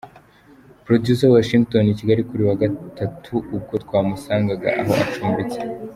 Producer Washington i Kigali kuri uyu wa Gatatu ubwo twamusangaga aho acumbitse.